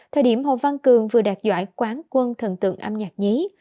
thời điểm hồ văn cường vừa đạt giải quán quân thần tượng âm nhạc nhí